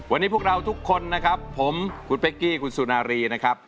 วันนี้พวกเราทุกคนนะครับผมคุณเป๊กกี้คุณสุนารีนะครับ